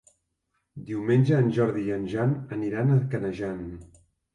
Diumenge en Jordi i en Jan aniran a Canejan.